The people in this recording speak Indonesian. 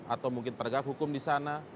atau mungkin penegak hukum di sana